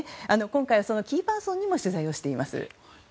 今回はそのキーパーソンにも取材をしています。